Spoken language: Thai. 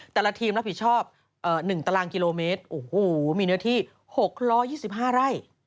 แต่ละทีมรับผิดชอบ๑ตารางกิโลเมตรโอ้โหมีเนื้อที่๖๒๕ไร่